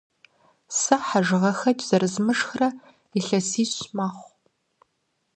Сэ хьэжыгъэхэкӏ зэрызмышхрэ илъэсищ мэхъу.